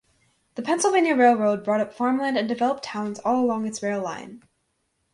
The Pennsylvania Railroad bought up farmland and developed towns all along its rail line.